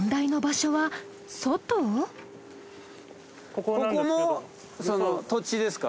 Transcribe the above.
ここも土地ですか？